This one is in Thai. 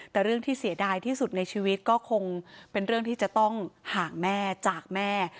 แต่เรื่องที่เสียดายที่สุดในชีวิตก็คงเป็นเรื่องที่จะต้องห่างแม่จากแม่